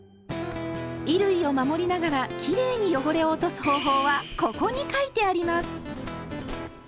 衣類を守りながらきれいに汚れを落とす方法は「ここ」に書いてあります！